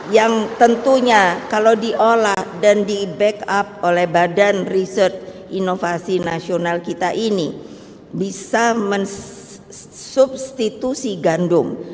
yang tentunya kalau diolah dan di backup oleh badan riset inovasi nasional kita ini bisa mensubstitusi gandum